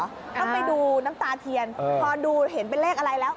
ต้องไปดูน้ำตาเทียนพอดูเห็นเป็นเลขอะไรแล้ว